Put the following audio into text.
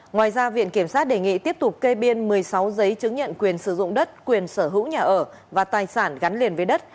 ngoài ra viện kiểm sát đề nghị tiếp tục kê biên một mươi sáu giấy chứng nhận quyền sử dụng đất quyền sở hữu nhà ở và tài sản gắn liền với đất